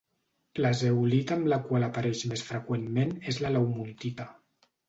La zeolita amb la qual apareix més freqüentment és la laumontita.